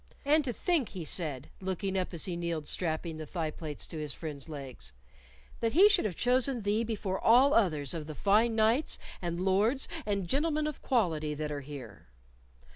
"And to think," he said, looking up as he kneeled, strapping the thigh plates to his friend's legs, "that he should have chosen thee before all others of the fine knights and lords and gentlemen of quality that are here!"